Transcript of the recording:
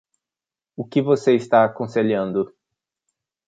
O que você está aconselhando?